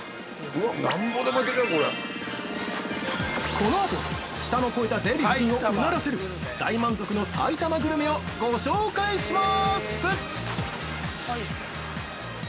◆この後、舌の肥えたデヴィ夫人をうならせる大満足の埼玉グルメをご紹介します！！